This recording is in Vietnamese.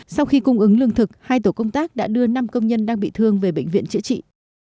sau khi cung ứng lương thực hai tổ công tác đã đưa năm công nhân đang bị thương về bệnh viện chữa trị